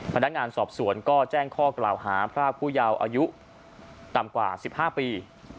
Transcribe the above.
พนักงานสอบสวนก็แจ้งข้อกล่าวหาพรากผู้ยาวอายุต่ำกว่า๑๕ปี